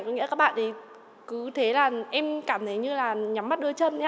có nghĩa là các bạn thì cứ thế là em cảm thấy như là nhắm mắt đôi chân